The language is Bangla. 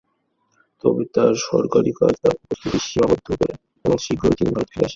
তবে তাঁর সরকারী কাজ তাঁর উপস্থিতি সীমাবদ্ধ করে এবং শীঘ্রই তিনি ভারতে ফিরে আসেন।